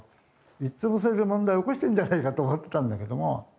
いっつもそれで問題起こしてんじゃないかと思ってたんだけども。